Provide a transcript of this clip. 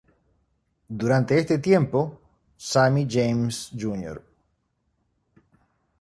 Durante este tiempo, Sammy James Jr.